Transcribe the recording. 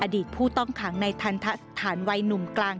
ผู้ต้องขังในทันทะสถานวัยหนุ่มกลาง